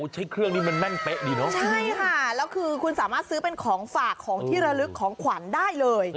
ใช้เครื่องนี้มันแม่นเป๊ะดีเนอะใช่ค่ะแล้วคือคุณสามารถซื้อเป็นของฝากของที่ระลึกของขวัญได้เลย